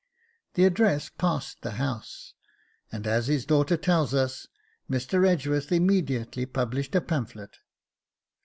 The address passed the House, and, as his daughter tells us, Mr. Edgeworth immediately published a pamphlet.